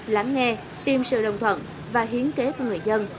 lắng nghe tìm sự đồng thuận và hiến kế của người dân